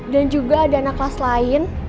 dan juga ada anak kelas lain